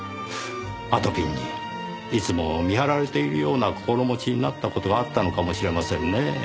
あとぴんにいつも見張られているような心持ちになった事があったのかもしれませんねぇ。